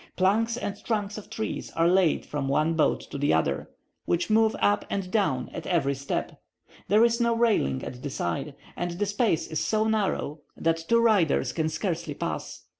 Planks and trunks of trees are laid from one boat to the other, which move up and down at every step; there is no railing at the side, and the space is so narrow that two riders can scarcely pass.